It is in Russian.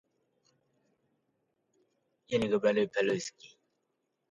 Не думаю.